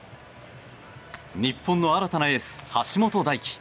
日本の新たなエース橋本大輝。